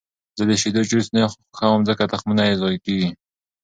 زه د شیدو جوس نه خوښوم، ځکه تخمونه یې ضایع کېږي.